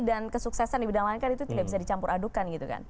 dan kesuksesan di bidang lain kan itu tidak bisa dicampur adukan gitu kan